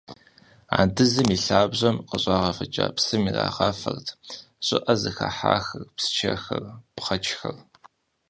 Андызым и лъабжьэм къыщӏагъэвыкӏа псым ирагъафэрт щӏыӏэ зыхыхьахэр, псчэхэр, бгъэчхэр.